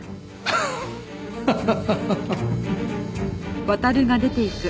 ハハハハハ！